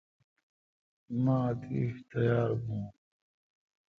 مہ اتیش تیار بھون۔